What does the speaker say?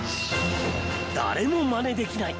誰もマネできない！